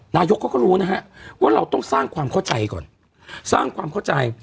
นายกเขาก็รู้นะฮะว่าเราต้องสร้างความเข้าใจก่อนสร้างความเข้าใจ